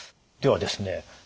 ではですね